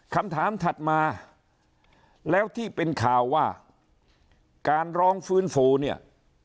คำถามถัดมาแล้วที่เป็นข่าวว่าการร้องฟื้นฟูเนี่ย